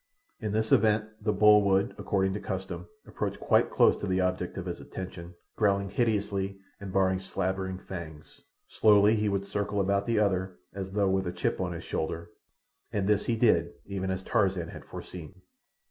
In this event the bull would, according to custom, approach quite close to the object of his attention, growling hideously and baring slavering fangs. Slowly he would circle about the other, as though with a chip upon his shoulder; and this he did, even as Tarzan had foreseen.